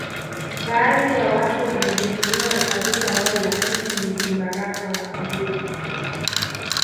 Baadhi ya watu wanajivunia ukabila wao lakini ni vibaraka wa adui